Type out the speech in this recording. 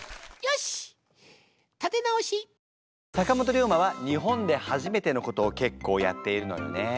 坂本龍馬は日本で初めてのことを結構やっているのよね。